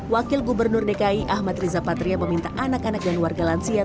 wakil gubernur dki ahmad riza patria meminta anak anak dan warga lansia